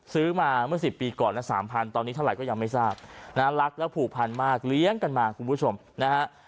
ซื้อมาเมื่อ๑๐ปีก่อนละ๓๐๐ตอนนี้เท่าไหร่ก็ยังไม่ทราบนะรักและผูกพันมากเลี้ยงกันมาคุณผู้ชมนะฮะ